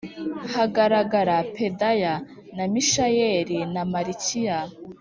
Hahagarara pedaya na mishayeli na malikiya